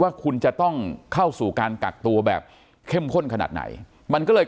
ว่าคุณจะต้องเข้าสู่การกักตัวแบบเข้มข้นขนาดไหนมันก็เลย